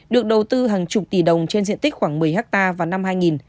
được đầu tư hàng chục tỷ đồng trên diện tích khoảng một mươi hectare vào năm hai nghìn